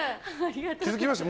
気づきました？